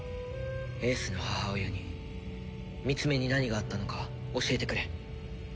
英寿の母親にミツメに何があったのか教えてくれ。